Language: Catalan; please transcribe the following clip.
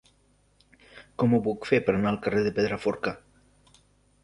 Com ho puc fer per anar al carrer del Pedraforca?